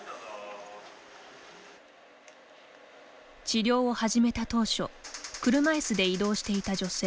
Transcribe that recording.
治療を始めた当初車いすで移動していた女性。